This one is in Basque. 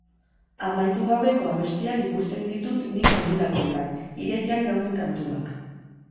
Amaitu gabeko abestiak ikusten ditut nik honelakoetan, irekiak dauden kantuak.